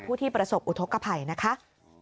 ผู้ที่ประสบอุทธกภัยนะคะ